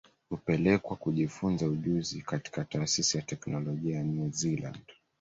Hupelekwa kujifunza ujuzi katika Taasisi ya Teknolojia ya New Zealand